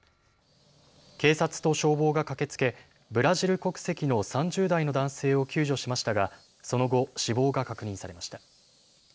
警察と消防が駆けつけブラジル国籍の３０代の男性を救助しましたがその後、死亡が確認されました。